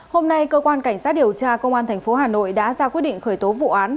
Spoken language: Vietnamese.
hôm nay cơ quan cảnh sát điều tra công an tp hà nội đã ra quyết định khởi tố vụ án